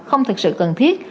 không thực sự cần thiết